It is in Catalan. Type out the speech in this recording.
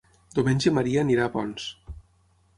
Diumenge en Maria anirà a Ponts.